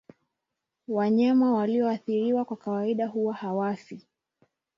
Wanyama walioathiriwa kwa kawaida huwa hawafi